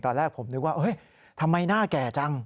ตอนแรกผมนึกว่าเฮ้ยทำไมหน้าแก่จัง